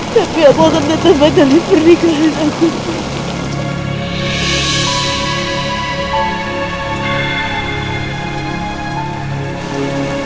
tapi aku akan tetap batalkan pernikahan aku